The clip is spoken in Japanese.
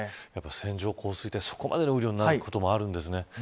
線状降水帯、そこまでの雨量になることもあるんですね。